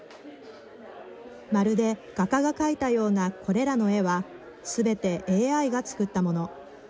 まるで画家が描いたようなこれらの絵はすべてＡＩが作ったもの。